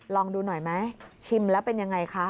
ลองดูหน่อยไหมชิมแล้วเป็นยังไงคะ